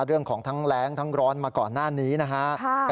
เรื่องของทั้งแรงทั้งร้อนมาก่อนหน้านี้นะครับ